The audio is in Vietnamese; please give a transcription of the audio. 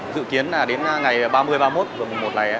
dự kiến đến ngày ba mươi ba mươi một vừa mùa một này